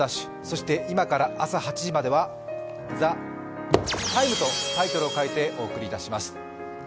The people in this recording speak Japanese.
そして今から朝８時までは「ＴＨＥＴＩＭＥ，」とタイトルを変えてお送りいたします。